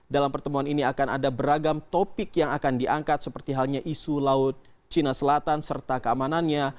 dalam pertemuan ini akan ada beragam topik yang akan diangkat seperti halnya isu laut cina selatan serta keamanannya